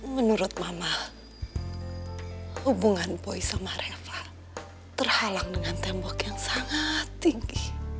menurut mama hubungan boy sama reva terhalang dengan tembok yang sangat tinggi